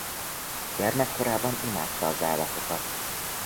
Gyermekkorában imádta az állatokat.